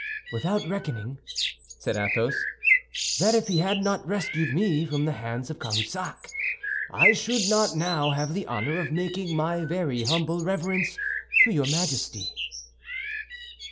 "Without reckoning," said Athos, "that if he had not rescued me from the hands of Cahusac, I should not now have the honor of making my very humble reverence to your Majesty."